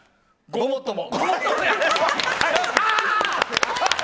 ごもっとも！